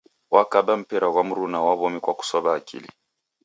Wakaba mpira ghwa mruna wa w'omi kwa kusow'a akili.